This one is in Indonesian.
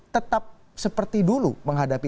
tetap seperti dulu menghadapi